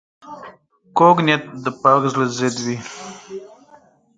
کوږ نیت د پاک زړه ضد وي